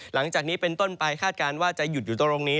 หลังจากนี้เป็นต้นไปคาดการณ์ว่าจะหยุดอยู่ตรงนี้